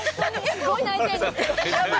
すごい泣いてるんですけど。